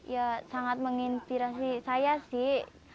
ya sangat menginspirasi saya sih